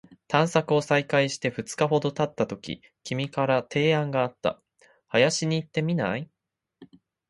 探索を再開して二日ほど経ったとき、君から提案があった。「林に行ってみない？」